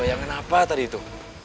bayangan apa tadi itu